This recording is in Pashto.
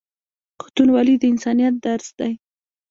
پښتونولي د انسانیت درس دی.